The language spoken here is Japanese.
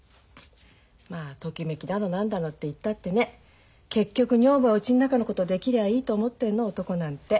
まあときめきだの何だのって言ったってね結局女房はうちん中のことできりゃいいと思ってんの男なんて。